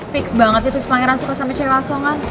fix banget itu sepangeran suka sama celaso kan